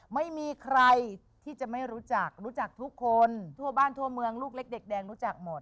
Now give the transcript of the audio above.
ไม่มีใครที่จะไม่รู้จักรู้จักทุกคนทั่วบ้านทั่วเมืองลูกเล็กเด็กแดงรู้จักหมด